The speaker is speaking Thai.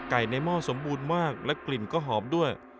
ในหม้อสมบูรณ์มากและกลิ่นก็หอมด้วย